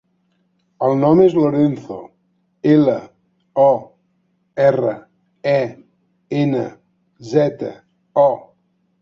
El nom és Lorenzo: ela, o, erra, e, ena, zeta, o.